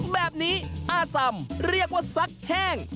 แบบนี้อาสำเรียกว่าซักแห้ง